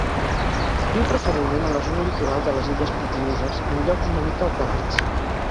Viu preferentment a la zona litoral de les illes Pitiüses, en llocs una mica alterats.